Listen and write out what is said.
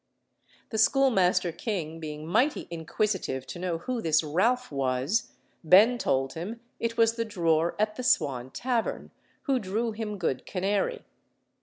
The schoolmaster king being mighty inquisitive to know who this Ralph was, Ben told him it was the drawer at the Swan Tavern, who drew him good canary.